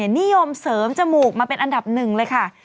นิยมเสริมจมูกมาเป็นอันดับหนึ่งเลยค่ะ